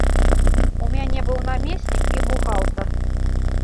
У мяне быў намеснік і бухгалтар.